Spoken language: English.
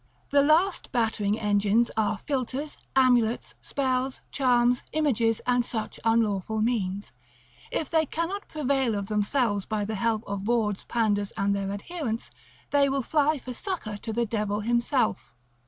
The last battering engines are philters, amulets, spells, charms, images, and such unlawful means: if they cannot prevail of themselves by the help of bawds, panders, and their adherents, they will fly for succour to the devil himself.